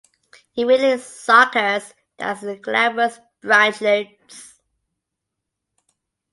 It readily suckers and has glabrous branchlets.